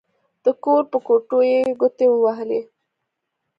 د کور په کوټو يې ګوتې ووهلې.